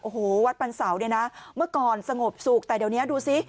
โอ้โหวัดปันเสาเนี่ยนะเมื่อก่อนสงบสุขแต่เดี๋ยวนี้ดูสิ